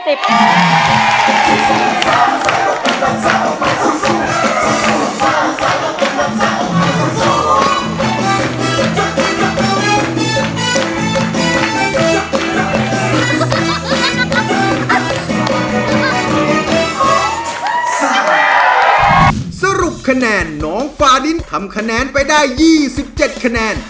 คะแนนน้องฟาลิ้นทำคะแนนไปได้๒๗คะแนน